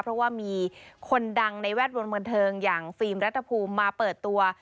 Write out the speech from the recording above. เพราะว่ามีคนดังในแวดวงบันเทิงอย่างฟิล์มรัฐภูมิมาเปิดตัว